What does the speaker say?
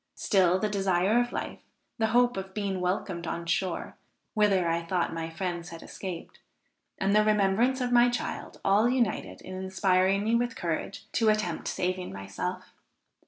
Still the desire of life, the hope of being welcomed on shore, whither I thought my friends had escaped, and the remembrance of my child, all united in inspiring me with courage to attempt saving myself.